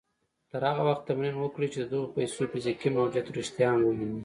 تر هغه وخته تمرين وکړئ چې د دغو پيسو فزيکي موجوديت رښتيا هم ووينئ.